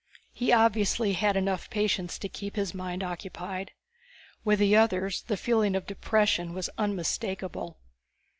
He obviously had enough patients to keep his mind occupied. With the others the feeling of depression was unmistakable.